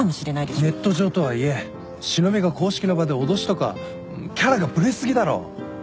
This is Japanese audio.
ネット上とはいえ忍びが公式の場で脅しとかキャラがブレ過ぎだろ。